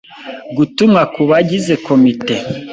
Gutumwa kubagize komite